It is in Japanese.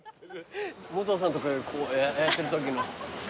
武藤さんとかがこうやってるときの。